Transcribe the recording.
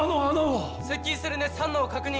接近する熱反応を確認。